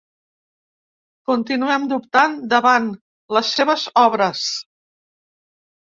Continuem dubtant davant les seves obres.